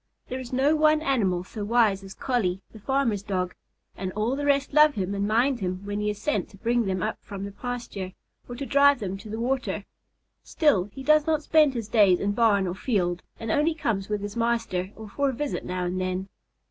There is no one animal so wise as Collie, the farmer's dog, and all the rest love him and mind him when he is sent to bring them up from the pasture or to drive them to the water. Still, he does not spend his days in barn or field and only comes with his master or for a visit now and then.